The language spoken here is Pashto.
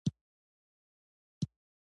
د افغانستان د مالیې سېستم غیرې عادلانه دی.